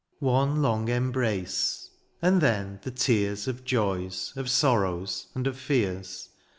One long embrace, and then the tears Of joys, of sorrows, and of fears.